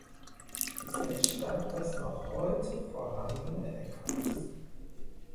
Es entstand das noch heute vorhandene Eckhaus.